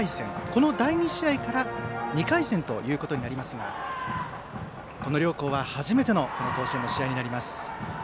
この第２試合から２回戦となりますがこの両校は初めての甲子園の試合になります。